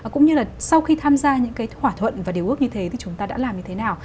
cũng như là sau khi tham gia những cái thỏa thuận và điều ước như thế thì chúng ta đã làm như thế nào